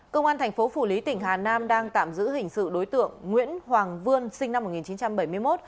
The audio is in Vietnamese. công an thành phố phủ lý tỉnh hà nam đang tạm giữ hình sự đối tượng nguyễn hoàng vương sinh năm một nghìn chín trăm bảy mươi một